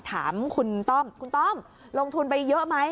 ถามคุณต้อมคุณต้อมลงทุนไปเยอะไหม